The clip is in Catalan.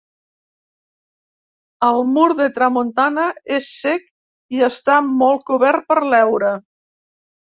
El mur de tramuntana és cec i està molt cobert per l'heura.